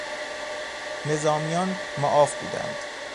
نظامیان معاف بودند